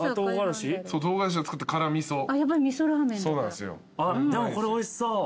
でもこれおいしそう。